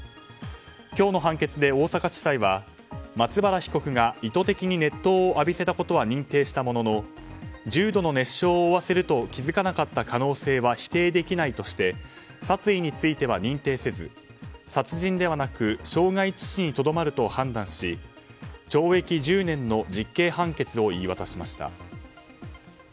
今日の判決で、大阪地裁は松原被告が意図的に熱湯を浴びせたことは認定したものの重度の熱傷を負わせると気付かなかった可能性は否定できないとして殺意については認定せず殺人ではなく傷害致死にとどまると判断し懲役１０年の実刑判決を言い渡しました。